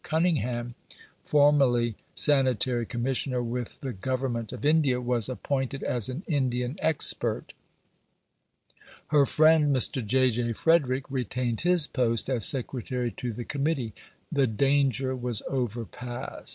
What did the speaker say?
Cunningham (formerly Sanitary Commissioner with the Government of India) was appointed as an Indian expert. Her friend Mr. J. J. Frederick retained his post as Secretary to the Committee. The danger was overpast.